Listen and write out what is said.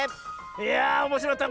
いやあおもしろかった。